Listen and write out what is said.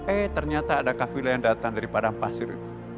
eh ternyata ada kafila yang datang dari padang pasir